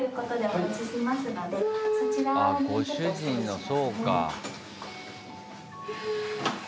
あ、ご主人のそうか。